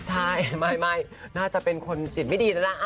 ใช่ไม่น่าจะเป็นคนติดไม่ดีนะ